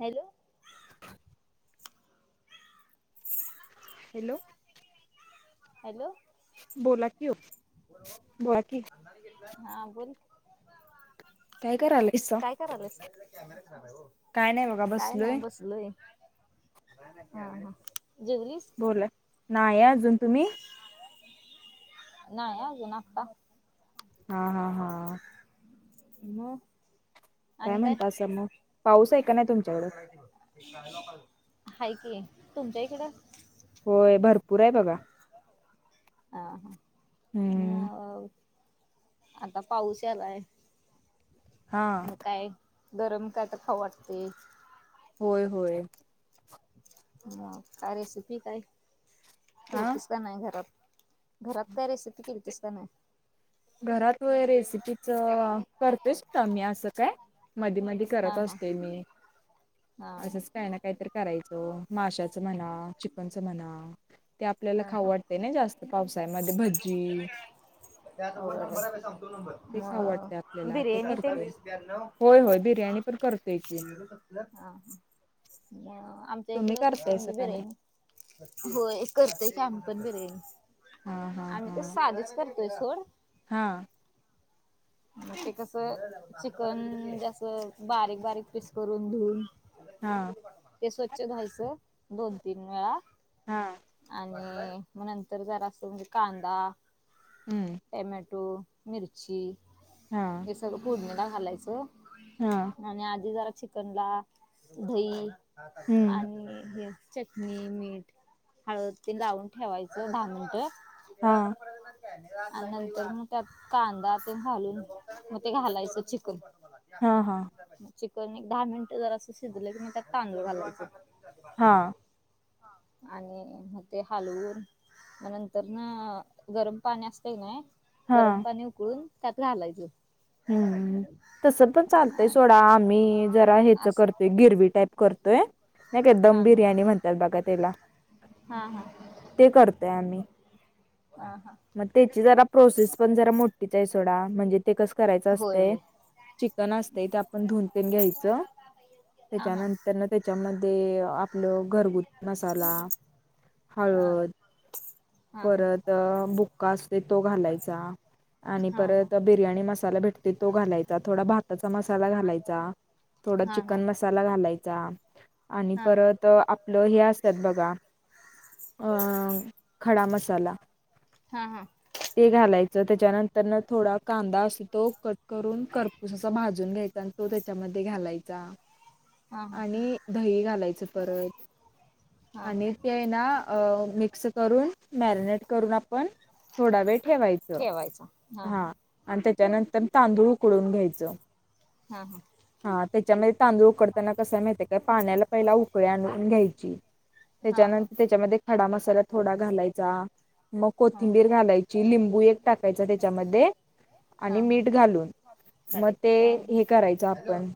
Hello [inaudible] hello hello बोला कि ओ. बोला की हा बोल की काय करायलायसा? काय करायलास,? काय नाही बघा काय नाही बसलोय. बस हां हां जेवलीस? बोला. नाही अजून, तुम्ही? नाय अजून आत्ता हा हां हां मग आणि काय? म्हणतासा मग? पाऊस आहे का नाही तुमच्याकडं? हाय कि, तुमच्या इकडं? होय भरपूर आहे बघा. आ हा हम्म हो आता पाऊस यायलाय. हा मग काय गरम काहीतरी खावु वाटतय. होय होय. मग काय रेसिपी काय? आ केलतिस का नाही घरात. घरात काय रेसिपी केलतीस का नाय? घरात व्हय रेसिपीचं करतेच काय मी असं काय मदि मदि. हा करत हा असते मी हा असच हा काही ना काहीतरी. करायचं माशाचं म्हणा चिकनच म्हणा ते आपल्याला हा खाऊ हा वाटतें ना जास्त पावसाळ्यामध्ये भजी [unintelligible] ते खाऊ वाटते मग आपल्याला बिर्याणी ते. करतोय. होय होय बिर्याणी पण करतोय की. हा ह म आमच्या इकड तुम्ही कसं म्हणजे करतायसा का नाही? बिर्याणी होय करतोय की आम्ही पण बिर्याणी हा हा आणि तो हा. साधीच करतोय सोड हा म ते कस चिकन म्हणजे अस बारीक बारीक पीस करून धुवून हां ते स्वच्छ धुवायच दोन तीन वेळा हां आणि म नंतर जरा म्हणजे कांदा हम्म. टॅमॅटो मिरची हा हे सगळं फोडणीला घालायचं हा आणि आधी जरा चिकनला दही हम्म आणि हे चटणी, मीठ हळद तेन लावून ठेवायचं दहा मिनट हा आणि नंतर म त्यात कांदा ते घालून म ते घालायचं चिकन हा हा चिकन एक दहा मिनिट जरासं शिजल की मग त्यात तांदूळ घालायच हा आणि म ते हलवून म नंतर ना गरम पाणी असतय की नाय हा गरम पाणी उकळून त्यात घालायचं. हूं तस पण चालतय सोडा आम्ही जरा ह्याच असं करतोय गिरवी टाईप करतोय नाय का दम हा हा बिर्याणी म्हणतात बघा त्याला हा हा ते करतोय हा हा म त्याची जरा प्रोसेस पण जरा मोठीच हाय सोडा म्हणजे ते कस करायच होय असतय होय चिकन असतय ते आपण धुन तेन घ्यायचं हा हा त्याच्यानं तर नं त्याच्यामध्ये आपलं घरगुती मसाला, हा हळद हा परत बुक्का असतय तो घालायचा आणि हा हा परत बिर्याणी मस साला भेटतोय तो घालायचा थोडा भाताचा मसाला घालाचा थोडा हा हा चिकन हा मस मसाला घालायचा आणि हा परत आपलं हे असत्यात बघा अ खडा मसाला हा हा ते घालायचं त्याच्यानंतर न थोडा कांदा अस तो कट करून करपूस असा भाजून घ्यायचा आणि तो त्याच्यामध्ये घालायचा हा आणि दही घालायचं परत हा आणि ते हाय ना अ मिक्स करून मॅरिनेट करून आपण थोडा वेळ ठेवाय हा आणि त्याच्यानंतर तांदूळ उकडून घ्यायचं. हा हा हा त्याच्यामध्ये तांदूळ उकडताना कसा माहिती हाय काय पाण्याला पहिला उकळी आणून घ्यायची. हा हा हा त्याच्यानंतर त्याच्यामध्ये खडा मसाला थोडा घालायचा. मग हा कोथिंबीर घालायची लिंबू एक टाकायचा त्याच्यामध्ये आणि हा हा मीठ घालून म ते हा हे करायचं हॅलो आपण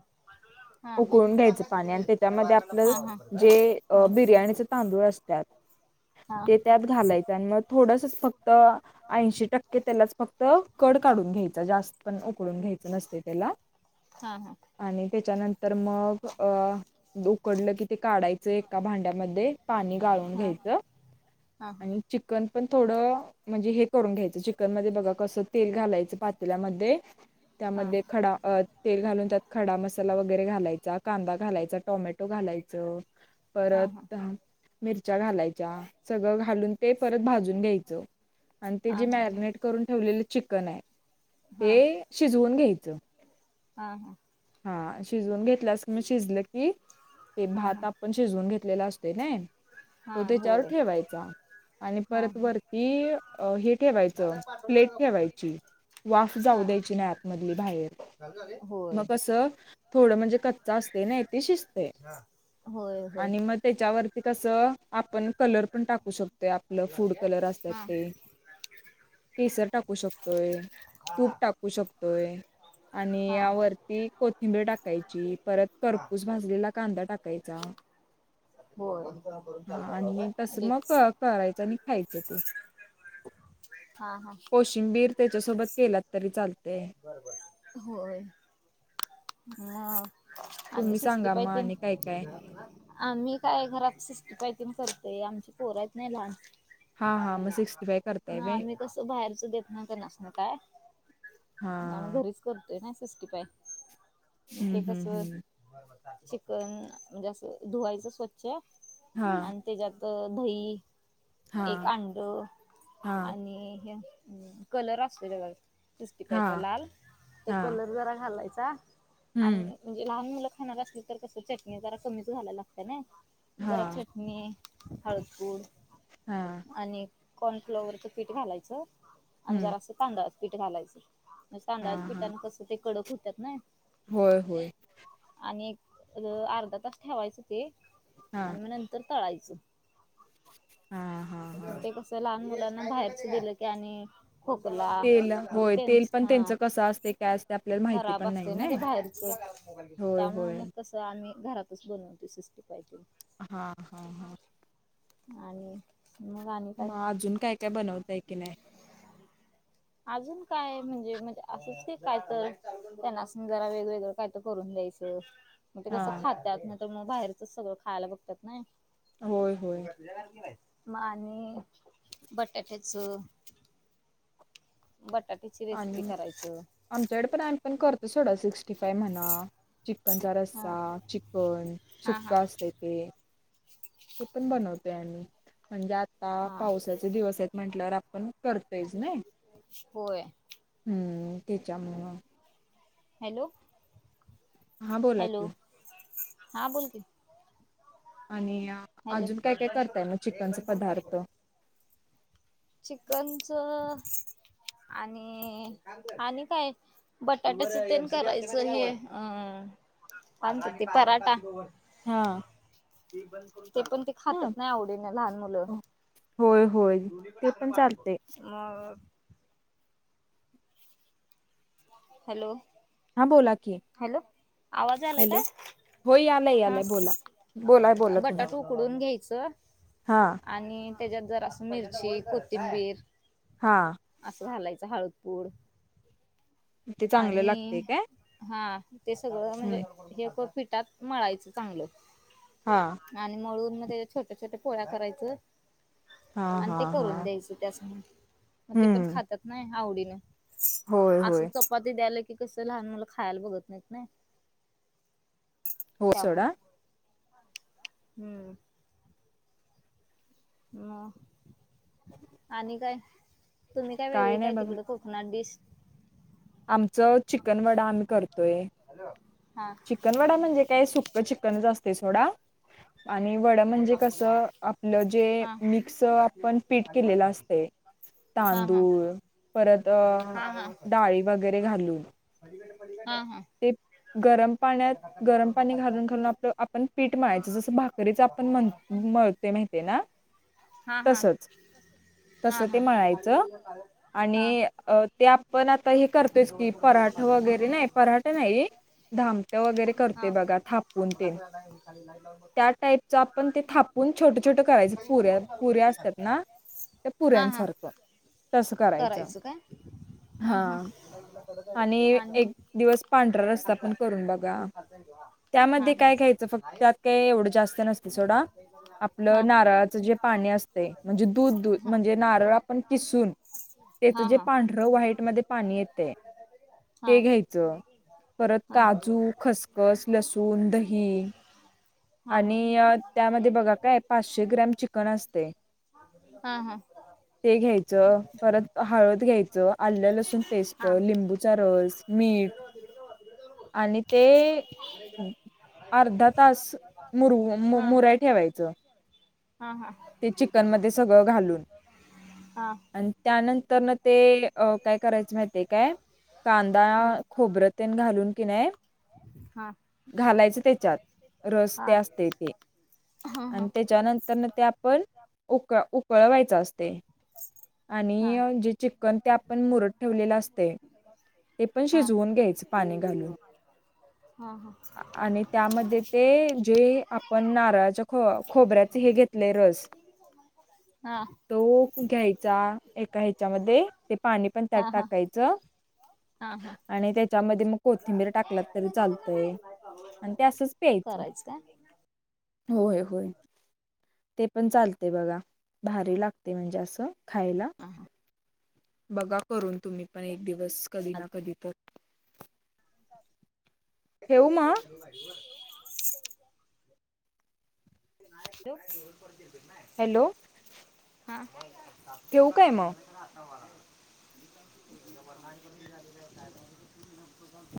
एक उकळून मिनिट थांब घ्यायच काय पाणी आणि तिथं त्या त्याच्यामध्ये वारम्यानला आपलं फोन लावतो जे परत हा अ बिर्याणीचे तांदूळ असत्यात ते त्यात घालायच आणि म थोडंसच फक्त ऐंशी टक्के त्यालाच फक्त कड काढून घ्याय जास्त पण उकळून घ्यायच नसते त्यला. हा हा आणि त्याच्यानंतर मग अ उकडलं की ते काढाय जे एका भांड्यामध्ये पाणी गाळून हा घ्यायचं हा आणि हा चिकन पण थोडं म्हणजे हे करून घ्यायचं चिकन मध्ये बघा कसं तेल घालायचं पातेल्या मध्ये हा त्यामध्ये खडा अत तेल घालून त्यात खडा मसाला वगैरे घालायचा, कांदा घालायचा, टोमॅटो घालायच हा हा परत हं मिरच्या घालायच्या सगळं घालून ते परत भाजून घ्यायचं आणि ते हा हा जी मॅगनेट करून ठेवलेलं चिकन आहे हा ते शिजवून घ्यायचं. आ हा! हा शिजवून घेतल्यास की मी शिजलं की ते हा हा भात हा आप पण शिजवून घेतलेला असतोय न्हाय हा तो तेच्यावर होय ठेवायचा. आणि हा परत हा वरती अ हे ठेवायचं दादा प्लेट पाठवलेला का फोटो ठेवायची वाफ जाऊ हा द्यायची नाही आतमधली बाहेर. मग होय. कसं थोडं म्हणजे कच्च असते नाही ते शिजते हा होय होय आणि मग त्याच्यावरती कस आपण कलर पण टाकू शकतो. ते आपलं असं झालं फूड कलर असतात काय? ते केसर टाकू शकतोय, हा तूप टाकू शकतोय आणि हा हा या हा वरती कोथिंबीर टाकायची परत हा करपूस भाजलेला कांदा टाकायचा होय, बंद करून हा चालु कराय लावू काय आणि तसं मग अडीच. क करायचं आणि खायचं. हा हा! कोशिंबीर त्याच्यासोबत केलात तरी चालते. बर बर होय! हा आणि तुम्ही सिकस्टी सांगा फाय मग ते आणि काय काय न आम्ही काय घरात सिकस्टी फाय ते न करतोय आमची पोरं आहेत नाही लहान हा हा मग सिक्स्टी फाय करताय ना व्हय मी कस बाहेरच देत नाय तेंन्हासांनी काय हा! आम्ही घरीच करतोय नाय सिकस्टी फाय. हम्म ते कस हम्म हम्म चिकन म्हणजे अस धुवायचं स्व च्छ हा आणि त्याच्यात दही एक हा अंड हा आणि हे कलर असतोय त्याचा बी सिकस्टी फायचा हा लाल तो हा कलर जरा घालायचा हम्म आणि म्हणजे लहान मुलं खाणार असली तर कसं चटणी जरा कमीच घालायला लागते नाय हा जरा चट णी, हळकुंड हा! आणि कॉर्नफ्लॉवरचं पीठ घालायचं आणि हम्म जरा असं तांदळाच पीठ घालायचं हा तांदळाच्या हा पिठाने कसं ते कडक होत्यात नाय होय होय! आणि एक अं अर्धा तास ठेवायचं ते हा आणि मग नंतर तळायचं. हा हा! हा ते कसं लहान मुलांना बाहेरच दिलं की आणि खोकला तेल म्हणजे होय तेल त्यांचं पण हा कसं असते काय असते आपल्याला माहिती खराब पण नाही असतय ना ते बाहेरच होय त्यामुळे होय मग कसं, आम्ही घरातच बनवतो. सिकस्टी- फाय ते. हा, हा, हा. आणि मग आणि काय मग अजून, काय - काय बनवताय की, नाही? अजून काय, म्हणजे म्हण, असंच ते काय तर, त्यांना असन जरा वेगवेगळं. काय तर करून द्यायचं. मग ते हा कसं खातात. नाही तर मग, बाहेरचच सगळं खायला बघतात ना. होय, होय. [inaudible] मग आणि बटाट्याच. बटाट्याची रेसिपी आणि करायच. आमच्याकडे पण आम्ही पण करतो सोडा, सिक्ट क्स्टी- फाइव म्हणा. चिकनचा हा रस्सा, चिकन, हा हा सुका असतय, ते. ते पण बनवतोय आम्ही. म्हणजे आता हा पावसाच दिवस आहेत म्हंटल्यावर, आपण करतोयच, नाही. होय. हम्म. ते. हॅलो. हा बोला हॅलो. की हा बोल की. आणि हॅलो. अजून काय काय करताय मग चिकनचे पदार्थ [inaudible] चिकनच आणि, आणि काय? बटाट्याच तेन करायचं, हे. आ कोणत? ते पराठा. हा. ते पण, ते हा खातात ना, आवडीन. लहान मुलं. होय होय ते पण चालते [unintelligible] हॅलो. ह, बोला की. हॅलो. आवाज आलाय हॅलो काय? हो यालाय हा, यालाय बोला बोलाय बोला तुम्ही बटाटू उकडून घ्यायचं हा. आणि त्याज्यात जरासं मिरची, कोथिंबीर हा. असं, घालायचं. हळद पूड. ते चांगलं आणि लागते काय हा, ते सगळं हम्म म्हणजे, हे क पिठात मळायचं, चांगलं. हा. आणि मळून मग त्याचे, छोट्या-छोट्या पोळ्या करायचं. हा अन् हा ते हा करून द्यायचं त्यासणी. मग ते पण हम्म खातात नाय, आवडीन. होय असं, होय चपाती द्यायला की कसं, लहान मुलं खायला बघत नाहीत ना. हो त्यामुळं. सोडा हम्म. मग. आणि काय? तुम्ही काय, वेगळी नाही काय बघा तिकडं कर ना डिश. आमचं चिकनवडा, आम्ही करतोय. हा हा चिकन वडा म्हणजे काय? सुक् चिकनच असतय, सोडा. आणि वड हा म्हणजे हा हा कसं, आपलं जे, मिक्स आपण पीट केलेलं असतय तांदूळ, परत अ डाळी वगैरे घालून. हा, हा! ते गरम पाण्यात आता कट्टा चालू गरम करून बघ पाणी खालचा घालून, घालून आपलं आपण पीठ मळायचं जसं भाकरीच आपण दाखवू का म्हण मला मळ ते महितीयेना. हा हा तसंच हा तसं ते हा ती मळायच काळी कलरला काळं आणि हा अ ते आपण आता हे इकडे करतोयस डोळे की करून पराठ पांढरं. वगैरे नाही पराठ नाही धामट वगैरे हा करते बगा थापून मग तेन आता नाही ही खाली लाईट लावून बघ त्या टाइपचं आपण ते थापून छोट, छोट करायच कट्टा ही बंद पुऱ्या, करून चालू कर पुऱ्या इकडे असत्यात खालचा ना त्या हा हा पुऱ्यांसारखं. तस करायचं हा तुला तुला कळत आहे बघ तुझ्या आणि खालचा. एक दिवस पांढरा रस्सा पण करून बगा. ह्यो खातंय [unintelligible] त्यामध्ये काय घ्यायचं फक्त त्यात काही एवढं जास्त नसत सोडा, वरचा एक करून आला. हा आपलं नारळाचं जे पाणी अस ते म्हणजे दूध, दूध हा म्हणजे नारळ आपण किसून त्याच हा जे हा पांढरं व्हाईट मध्ये पाणी येतय हा ते हा घ्यायचं परत हा काजू खसखस, लसूण, दही [inaudible] आणि अ त्यामध्ये बघा काय पाचशे ग्रॅम चिकन असतय. हा हा! ते घ्यायचं परत हळद घ्यायचं, आलं लसूण पेस्ट, हा लिंबूचा रस. मीठ. [unintelligible] आणि ते अर्धा तास पुरु मुमुं-मुराय ठेवायच. हा हा! ते चिकन मध्ये सगळं घालून. हा आण त्यानंतर न ते काय अ काय करायचं माहिती काय? कांदा हम्म खोबरतेन घालून की नाही हा घालायचं त्याच्यात रस. हा असतय ते हा अन हा त्याच्यानंतर न ते आपण उकळ-उकळवायच अस ते हा आणि जे चिकन ते आपण मुरत ठेवलेलं असतय. ते पण हा हा शिजवून घ्यायचं पाणी घालून. हा हा आणि त्यामध्ये ते ते आपण नारळाच्या खो-खोबऱ्याचं हे घेतलय रस. टोप घ्यायचा एका ह्याच्यामध्ये ते पाणी पण त्यात हा हा टाकायचं. हा हा आणि त्याच्यामध्ये मग कोथिंबीर टाकलात तरी चालतय. आणि ते असंच प्यायचं. कसकाय? होय, होय. ते पण चालतय बघा भारी लागते म्हणजे असं खायला. बघा करून तुम्ही पण एक दिवस कधी ना कधी तर. ठेवू मग [unintelligible] ठेऊ. हॅलो [unintelligible] ठेवू काय मग हा! [unintelligible]